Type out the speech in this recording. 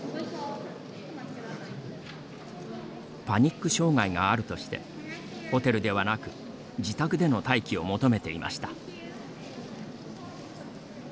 パニック障害があるとしてホテルではなく自宅での待機を求めていました。